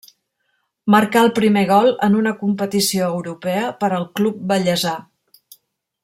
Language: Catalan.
Marcà el primer gol en una competició europea per al club vallesà.